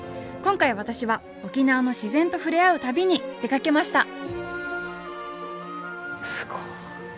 今回私は沖縄の自然と触れ合う旅に出かけました！